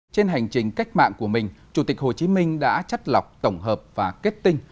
trên hành trình cách mạng của mình chủ tịch hồ chí minh đã chất lọc tổng hợp và kết tinh